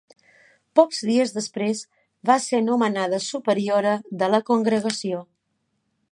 Pocs dies després, va ser nomenada superiora de la congregació.